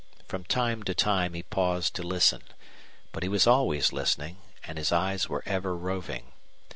From time to time he paused to listen. But he was always listening, and his eyes were ever roving.